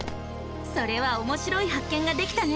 それはおもしろい発見ができたね！